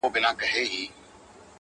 په يبلو پښو روان سو _